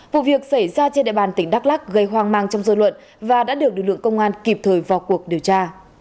vụ việc xảy ra trên địa bàn tỉnh đắk lắc gây hoang mang trong dư luận và đã được lực lượng công an kịp thời vào cuộc điều tra